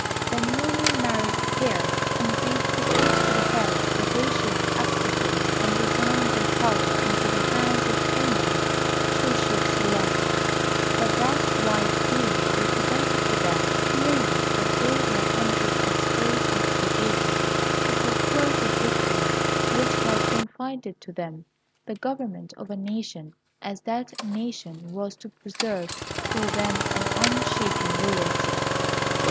The newly married pair, indeed, proposed to the Fairy that they should abdicate, and resign their power into the hands of any one she should select; but that wise being represented to them clearly that they were under as great an obligation to fulfil the destiny which had confided to them the government of a nation as that nation was to preserve for them an unshaken loyalty.